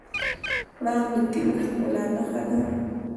پړانګ د طبیعي ښکلا نښه ده.